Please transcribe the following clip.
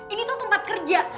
ini tuh tempat kerja